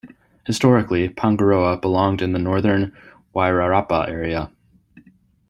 Historically, Pongaroa belonged in the northern Wairarapa area.